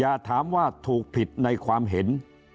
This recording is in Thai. อย่าถามว่าถูกผิดในความเห็น